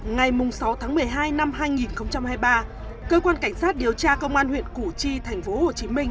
ngày sáu tháng một mươi hai năm hai nghìn hai mươi ba cơ quan cảnh sát điều tra công an huyện củ chi thành phố hồ chí minh